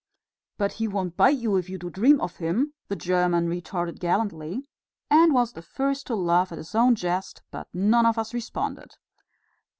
"But he won't bite you if you do dream of him," the German retorted gallantly, and was the first to laugh at his own jest, but none of us responded.